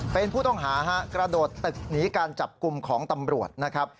เป็นผู้ต้องหาฮะกระโดดตึกหนีการจับกลุ่มของตำรวจนะครับ